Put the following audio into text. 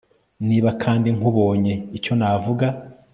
niba kandi nkubonye icyo navuga